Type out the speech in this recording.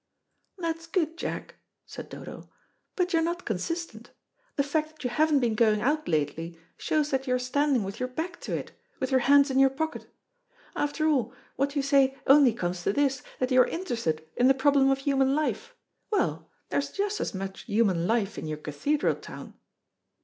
"That's good, Jack," said Dodo; "but you're not consistent. The fact that you haven't been going out lately, shows that you're standing with your back to it, with your hands in your pocket. After all, what you say only conies to this, that you are interested in the problem of human life. Well, there's just as much human life in your cathedral town."